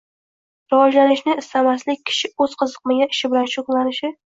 rivojlanishni istamaslik kishi o‘zi qiziqmagan ish bilan shug‘ullanishi